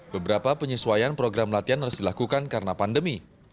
beberapa penyesuaian program latihan harus dilakukan karena pandemi